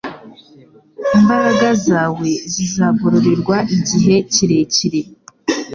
Imbaraga zawe zizagororerwa igihe kirekire